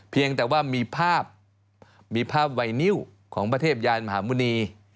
เพียงแต่ว่ามีภาพมีภาพไวนิ้วของพระเทพยานมหาหมุณี